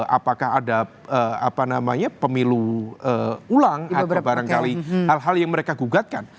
apakah ada pemilu ulang atau barangkali hal hal yang mereka gugatkan